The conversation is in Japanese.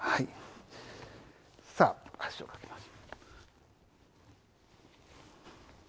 さあ、足をかけましょう。